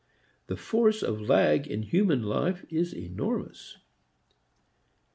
The force of lag in human life is enormous.